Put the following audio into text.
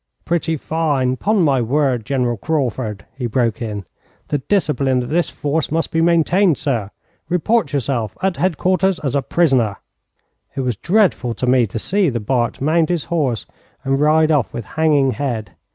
'Pretty fine, 'pon my word, General Crauford,' he broke in. 'The discipline of this force must be maintained, sir. Report yourself at headquarters as a prisoner.' It was dreadful to me to see the Bart mount his horse and ride off with hanging head.